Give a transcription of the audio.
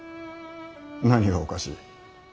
何がおかしい。